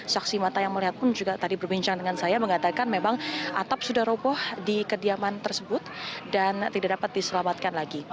saksi mata yang melihat pun juga tadi berbincang dengan saya mengatakan memang atap sudah roboh di kediaman tersebut dan tidak dapat diselamatkan lagi